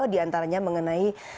di antaranya mengenai